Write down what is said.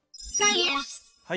はい。